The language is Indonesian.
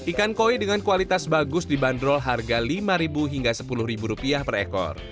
ikan koi dengan kualitas bagus dibanderol harga lima ribu hingga sepuluh rupiah per ekor